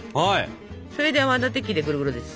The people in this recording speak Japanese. それで泡立て器でグルグルです。